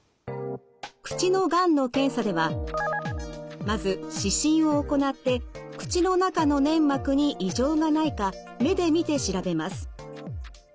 口のがんの検査ではまず視診を行って口の中の粘膜に異常がないか目で見て調べます。